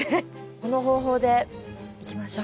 この方法でいきましょう。